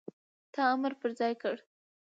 تا امر پر ځای کړ،